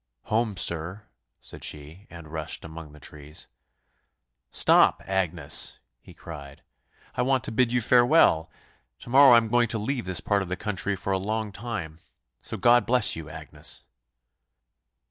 "Home, sir," said she, and rushed among the trees. "Stop, Agnes," he cried; "I want to bid you farewell; to morrow I am going to leave this part of the country for a long time; so God bless you, Agnes."